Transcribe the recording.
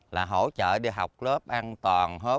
là hỗ trợ đi học lớp an toàn